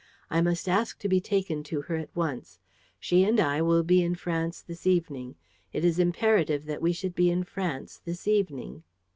I must ask to be taken to her at once. She and I will be in France this evening. It is imperative that we should be in France this evening."